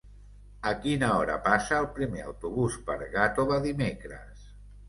A quina hora passa el primer autobús per Gàtova dimecres?